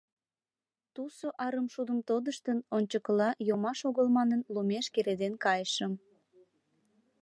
Тусо арымшудым тодыштын, ончыкыла, йомаш огыл манын, лумеш кереден кайышым.